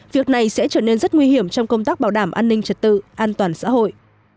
việc này sẽ trở nên rất nguy hiểm trong công tác bảo đảm an ninh trật tự an toàn xã hội